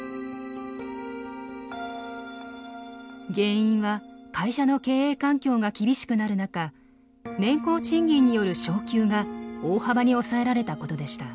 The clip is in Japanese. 原因は会社の経営環境が厳しくなる中年功賃金による昇給が大幅に抑えられたことでした。